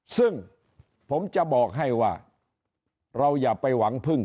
ซึ่งผมจะบอกให้ว่าเราอย่าไปหวังพึ่ง